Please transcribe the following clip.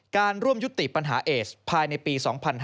ร่วมยุติปัญหาเอสภายในปี๒๕๕๙